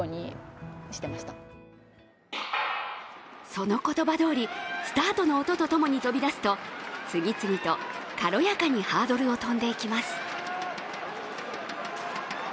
その言葉どおり、スタートの音とともに飛び出すと、次々と軽やかにハードルをとんでいきます。